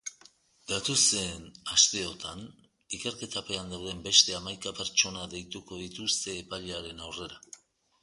Datozen asteotan ikerketapean dauden beste hamaika pertsona deituko dituzte epailearen aurrera.